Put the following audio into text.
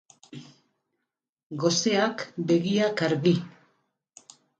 Goseak begiak argi.